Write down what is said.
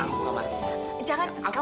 jangan kamu cerita dulu